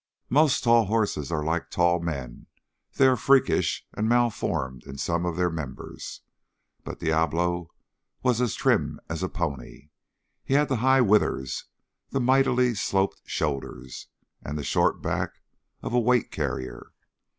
Most tall horses are like tall men they are freakish and malformed in some of their members; but Diablo was as trim as a pony. He had the high withers, the mightily sloped shoulders, and the short back of a weight carrier.